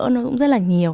nó cũng rất là nhiều